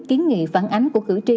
ký nghị phản ánh của cử tri